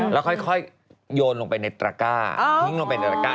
แล้วค่อยโยนลงไปในตระก้าทิ้งลงไปในตระก้า